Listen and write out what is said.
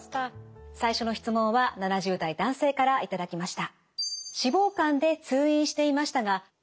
最初の質問は７０代男性から頂きました。